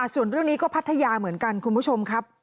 ส่วนเรื่องนี้ก็พัทยาเหมือนกันคุณผู้ชมครับ